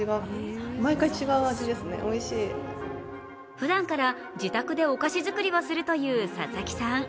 ふだんから自宅でお菓子作りをするという佐々木さん。